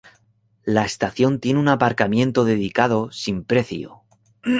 La estación tiene un aparcamiento dedicado, sin precio.